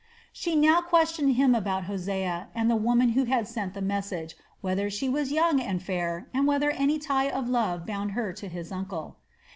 She now questioned him about Hosea and the woman who had sent the message, whether she was young and fair and whether any tie of love bound her to his uncle.